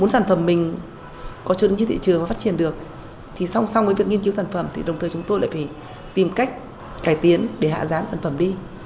xong xong với việc nghiên cứu sản phẩm thì đồng thời chúng tôi lại phải tìm cách cải tiến để hạ giá sản phẩm đi